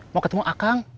mau ketemu akang